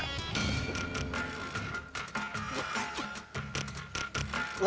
lo salah besar